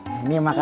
kami mau ke